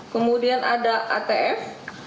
kemudian ada atf